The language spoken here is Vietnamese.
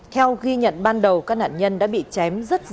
theo ghi nhận ban đầu các nạn nhân đã bị chém rất lớn